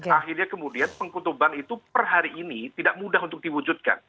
akhirnya kemudian pengkutuban itu per hari ini tidak mudah untuk diwujudkan